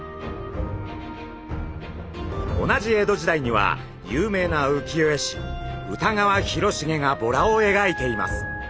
同じ江戸時代には有名な浮世絵師歌川広重がボラをえがいています。